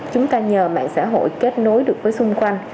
chúng ta nhờ mạng xã hội kết nối được với xung quanh